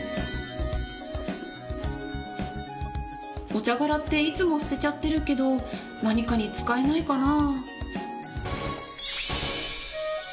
お茶殻っていつも捨てちゃってるけど何かに使えないかな？